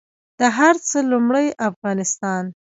د هر څه لومړۍ افغانستان